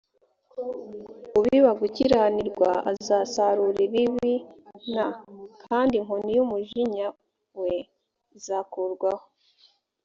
ubiba gukiranirwa azasarura ibibi n kandi inkoni y umujinya we izakurwaho